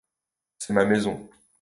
C’est ma maison.